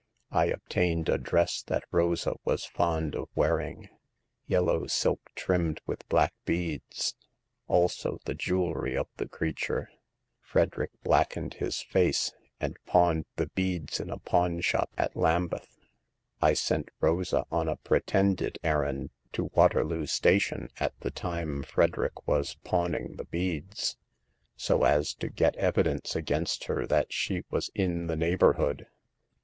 I obtained a dress that Rosa was fond of wearing — ^yellow silk trimmed with black beads ; also the jewelry of the creature. Fred erick blackened his face, and pawned the beads in a pawn shop at Lambeth. I sent Rosa on a pretended errand to Waterloo Station, at the time Frederick was pawning the beads, so as to get evidence against her that she was in the neighborhood.